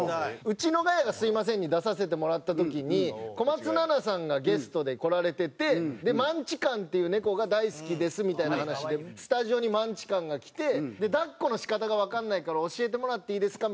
『ウチのガヤがすみません！』に出させてもらった時に小松菜奈さんがゲストで来られててマンチカンっていう猫が大好きですみたいな話でスタジオにマンチカンが来て抱っこの仕方がわかんないから教えてもらっていいですか？